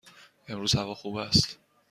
امروز هوا خوب است.